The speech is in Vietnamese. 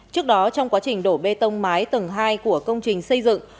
trước đó trong quá trình đổ bê tông mái tầng hai của công trình xây dựng